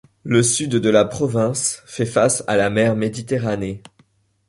Le sud de la province fait face à la mer Méditerranée.